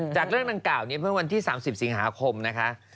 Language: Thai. เรื่องดังกล่าวนี้เมื่อวันที่๓๐สิงหาคมนะคะ